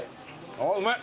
あうめえ。